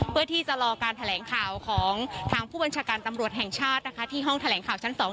เพื่อที่จะรอการแถลงข่าวของทางผู้บัญชาการตำรวจแห่งชาตินะคะที่ห้องแถลงข่าวชั้นสอง